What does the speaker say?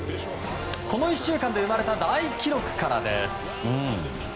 この１週間で生まれた大記録からです。